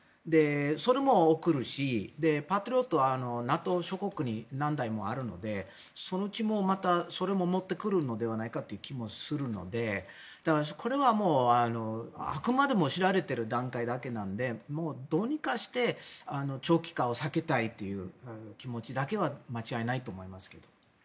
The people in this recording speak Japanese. それも送るし、パトリオットはＮＡＴＯ諸国に何台もあるのでそのうちにそれも持ってくるのではないかという気もするのでこれはもうあくまでも知られてる段階だけなのでどうにかして長期化を避けたいという気持ちだけは間違いないと思いますけど。